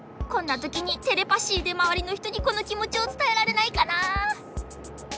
こんなときにテレパシーでまわりのひとにこのきもちをつたえられないかな。